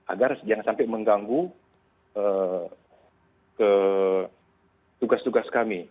agar jangan sampai mengganggu tugas tugas kami